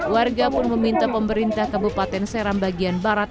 warga pun meminta pemerintah kabupaten seram bagian barat